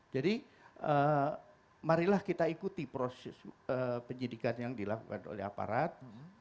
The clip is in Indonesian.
jadi marilah kita ikuti proses penyidikan yang dilakukan oleh aparat